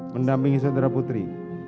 mendampingi saudara putri